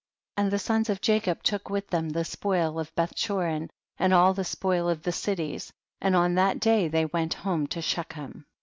16. And the sons of Jacob took with them the spoil of Bethchorin and all the spoil of the cities, and on that day they went home to She chem.